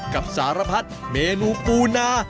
กับสารพัดเมนูปูนา